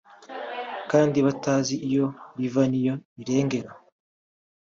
kandi batazi iyo riva n’iyo rirengera